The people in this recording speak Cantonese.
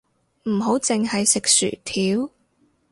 唔好淨係食薯條